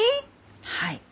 はい。